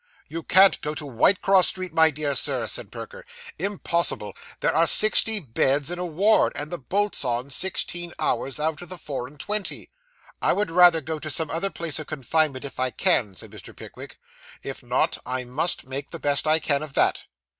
'You can't go to Whitecross Street, my dear Sir,' said Perker. 'Impossible! There are sixty beds in a ward; and the bolt's on, sixteen hours out of the four and twenty.' 'I would rather go to some other place of confinement if I can,' said Mr. Pickwick. 'If not, I must make the best I can of that.